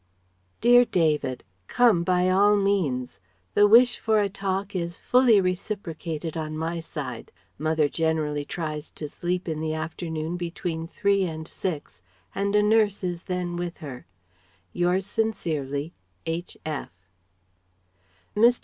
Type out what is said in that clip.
DEAR DAVID, Come by all means. The wish for a talk is fully reciprocated on my side. Mother generally tries to sleep in the afternoon between three and six, and a Nurse is then with her. Yours sincerely, H. F. "Mr.